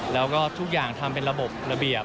แล้วก็ทุกอย่างทำเป็นระบบระเบียบ